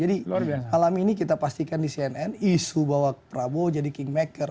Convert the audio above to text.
jadi malam ini kita pastikan di cnn isu bahwa prabowo jadi kingmaker